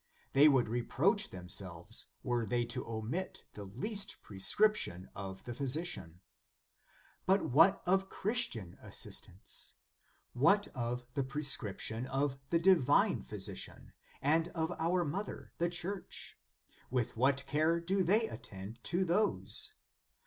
They would reproach themselves, were they to omit the least prescription of the phy sician. But what of Christian assistance? What of the prescription of the Divine Phy sician, and of our Mother, the Church? With what care do they attend to those